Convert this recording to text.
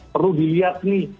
perlu dilihat nih